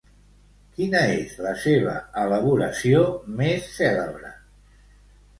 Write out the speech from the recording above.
Quina és la seva elaboració més cèlebre?